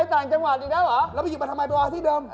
จะไปต่างจังหวัดอีกแล้วเหรอแล้วไปอยู่บรรถมายบราคาที่เดิม